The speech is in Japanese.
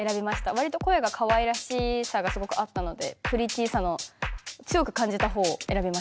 わりと声がかわいらしさがすごくあったのでプリティーさの強く感じたほうを選びました。